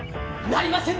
なりません！